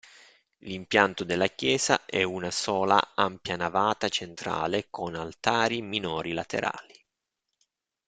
L'impianto della chiesa è a una sola ampia navata centrale con altari minori laterali.